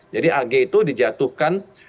jadi agh itu dijatuhkan